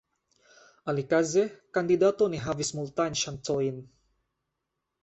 Alikaze, kandidato ne havis multajn ŝancojn.